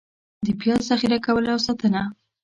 د پیاز ذخېره کول او ساتنه: